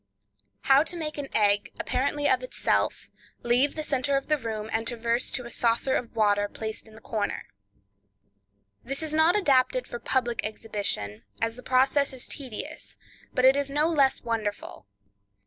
How to Make an Egg, Apparently of Itself, Leave the Center of the Room and Traverse to a Saucer of Water Placed in the Corner.—This is not adapted for public exhibition, as the process is tedious, but it is no less wonderful.